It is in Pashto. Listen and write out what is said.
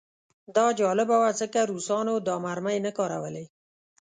دا جالبه وه ځکه روسانو دا مرمۍ نه کارولې